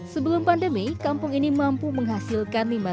sebelum pandemi kampung ini mampu menghasilkan